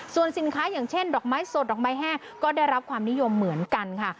ส่วนสินค้าอย่างเช่นดอกไม้สดดอกไม้แห้งก็ได้รับความนิยมเหมือนกันค่ะ